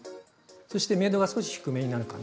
そして明度が少し低めになるかな。